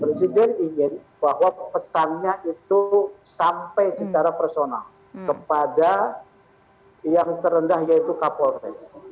presiden ingin bahwa pesannya itu sampai secara personal kepada yang terendah yaitu kapolres